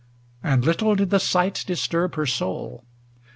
LXIII And little did the sight disturb her soul.